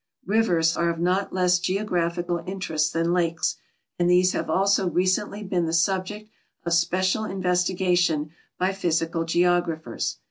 Rivers are of not less geographical interest than lakes, and these have also recently been the subject of special investigation by physical geographers.